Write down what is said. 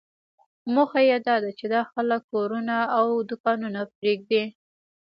موخه یې داده چې دا خلک کورونه او دوکانونه پرېږدي.